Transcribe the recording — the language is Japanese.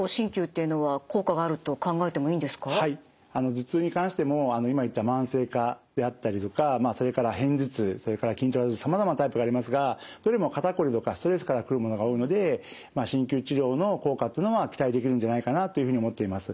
頭痛に関しても今言った慢性化であったりとかそれから片頭痛それから緊張型頭痛さまざまなタイプがありますがどれも肩こりとかストレスから来るものが多いので鍼灸治療の効果というのは期待できるんじゃないかなというふうに思っています。